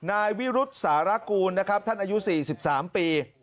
นายวิรุษสารกูลนะครับท่านอายุ๔๓ปี